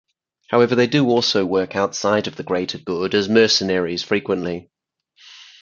However, they do also work outside of "The Greater Good" as mercenaries frequently.